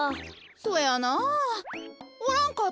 そやなおらんかったで。